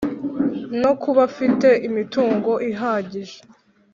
No kuba afite imitungo ihagije